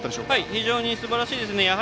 非常にすばらしいですね。